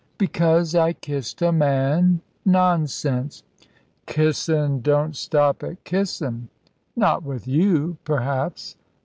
"Because I kissed a man. Nonsense." "Kissin' doesn't stop at kissin'." "Not with you, perhaps."